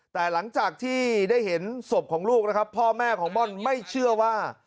แต่หลังจากที่ได้เห็นศพของลูกนะครับพ่อแม่ของม่อนไม่เชื่อว่า